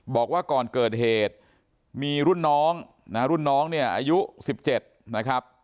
บอกว่าก่อนเกิดเหตุมีรุ่นน้องนะรุ่นน้องเนี่ยอายุ๑๗นะครับ